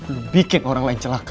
lo bikin orang lain celaka